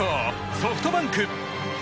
ソフトバンク。